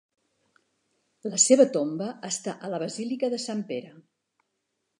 La seva tomba està a la Basílica de Sant Pere.